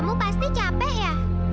kamu pasti capek ya